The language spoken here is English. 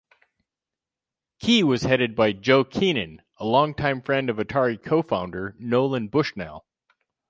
Kee was headed by Joe Keenan, a long-time friend of Atari co-founder Nolan Bushnell.